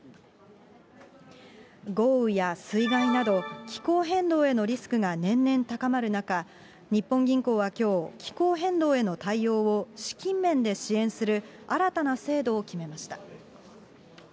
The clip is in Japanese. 豪雨や水害など、気候変動へのリスクが年々高まる中、日本銀行はきょう、気候変動への対応を資金面で支援する新たな制度を決めました。